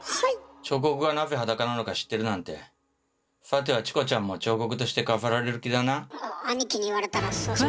彫刻がなぜ裸なのか知ってるなんてさてはチコちゃんもアニキに言われたらそうしまっせ。